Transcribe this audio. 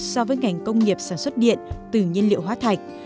so với ngành công nghiệp sản xuất điện từ nhiên liệu hóa thạch